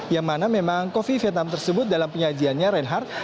yang mana memang kopi vietnam tersebut dalam penyajiannya reinhardt